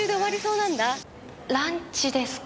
ランチですか。